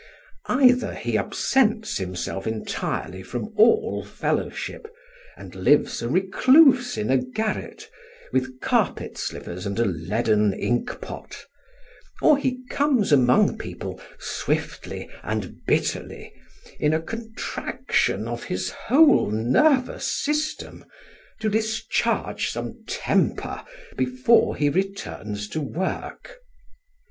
Either he absents himself entirely from all fellowship, and lives a recluse in a garret, with carpet slippers and a leaden inkpot; or he comes among people swiftly and bitterly, in a contraction of his whole nervous system, to discharge some temper before he returns to work.